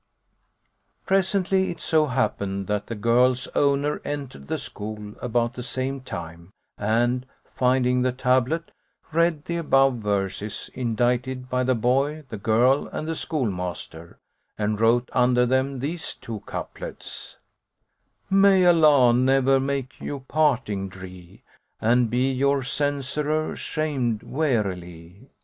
Presently it so happened that the girl's owner entered the school about the same time and, finding the tablet, read the above verses indited by the boy, the girl and the schoolmaster; and wrote under them these two couplets, "May Allah never make you parting dree * And be your censurer shamed wearily!